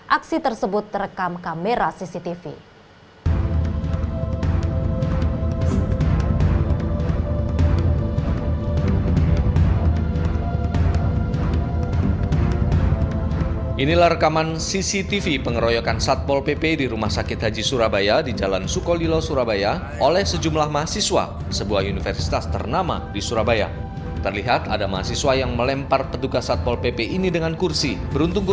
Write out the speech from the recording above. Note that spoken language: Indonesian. aksi tersebut terekam kamera cctv